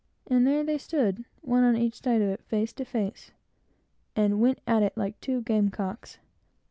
And there they stood, one on each side of it, face to face, and went at it like two game cocks.